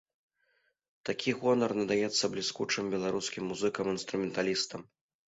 Такі гонар надаецца бліскучым беларускім музыкам-інструменталістам.